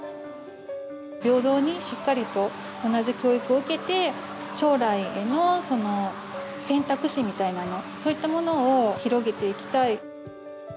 平等にしっかりと同じ教育を受けて、将来への選択肢みたいなの、そういったものを広げていきたい。